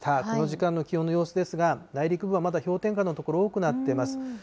この時間の気温の様子ですが、内陸部はまだ氷点下の所、多くなっています。